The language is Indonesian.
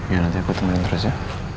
ya nanti aku temuin terus ya